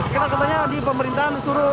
kita katanya di pemerintahan disuruh